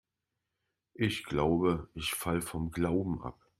Ich glaube, ich falle vom Glauben ab.